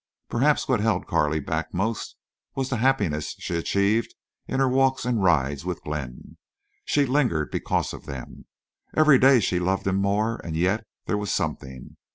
Perhaps what held Carley back most was the happiness she achieved in her walks and rides with Glenn. She lingered because of them. Every day she loved him more, and yet—there was something.